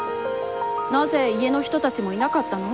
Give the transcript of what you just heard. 「なぜ、家のひとたちもいなかったの？